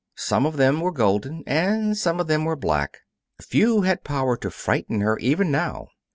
Some of them were golden and some of them were black; a few had power to frighten her, even now.